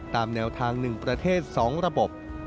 ตามแนวทางหนึ่งประเทศสองระบบ